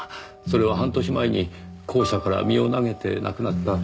それは半年前に校舎から身を投げて亡くなった。